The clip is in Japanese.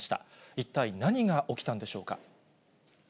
一体何が起きたんでしょうか。